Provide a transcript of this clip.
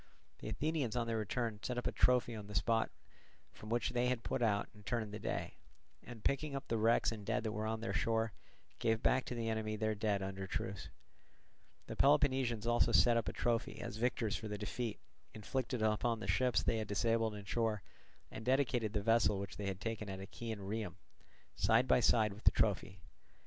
The Athenians on their return set up a trophy on the spot from which they had put out and turned the day, and picking up the wrecks and dead that were on their shore, gave back to the enemy their dead under truce. The Peloponnesians also set up a trophy as victors for the defeat inflicted upon the ships they had disabled in shore, and dedicated the vessel which they had taken at Achaean Rhium, side by side with the trophy.